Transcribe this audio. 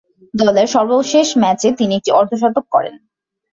দলের সর্বশেষ ম্যাচে তিনি একটি অর্ধ-শতক করেন।